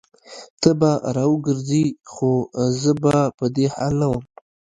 ته به راوګرځي خو زه به په دې حال نه وم